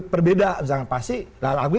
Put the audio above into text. berbeda misalnya pasti